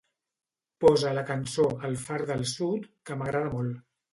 Posa la cançó "El far del sud" que m'agrada molt